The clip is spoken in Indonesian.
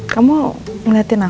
saat gue bersama andi dan rena